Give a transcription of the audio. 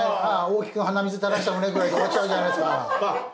大木君鼻水垂らしたのね」ぐらいで終わっちゃうじゃないですか。